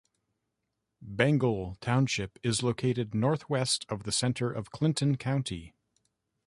Bengal Township is located northwest of the center of Clinton County.